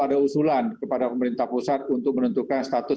ada usulan kepada pemerintah pusat untuk menentukan status